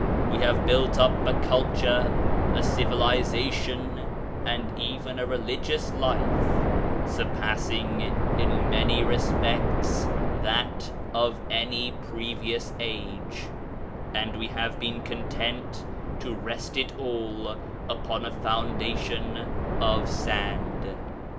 We have built up a culture, a civilization, and even a religious life, surpassing in many respects that of any previous age, and we have been content to rest it all upon a foundation of sand.